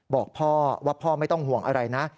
บอกพ่อว่าพ่อไม่ต้องห่วงอะไรนะ